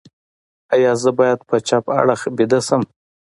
ایا زه باید په چپ اړخ ویده شم؟